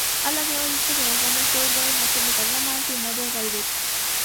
Ha lanzado discos de las bandas Thursday, My Chemical Romance y Murder by Death.